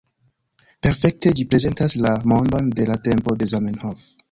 Perfekte ĝi prezentas la mondon de la tempo de Zamenhof.